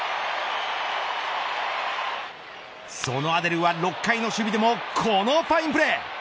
そのアデルは６回の守備でもこのファインプレー。